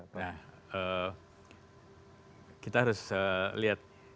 nah kita harus lihat